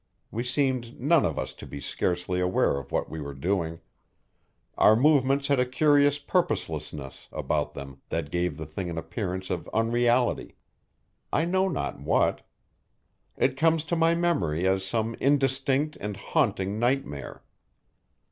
We seemed none of us to be scarcely aware of what we were doing; our movements had a curious purposelessness about them that gave the thing an appearance of unreality I know not what; it comes to my memory as some indistinct and haunting nightmare.